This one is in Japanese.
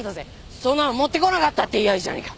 そんなの持ってこなかったって言えやいいじゃねえか。